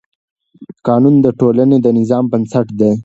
قانون د ټولنې د نظم بنسټ دی.